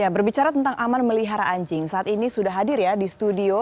berbicara tentang aman melihara anjing saat ini sudah hadir ya di studio